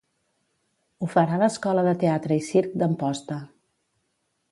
Ho farà l'Escola de Teatre i Circ d'Amposta.